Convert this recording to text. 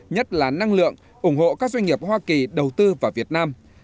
nhất là năng lượng ủng hộ các doanh nghiệp hoa kỳ đầu tư vào việt nam